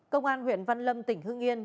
công an huyện văn lâm tỉnh hương yên